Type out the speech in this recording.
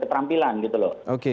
keterampilan gitu loh oke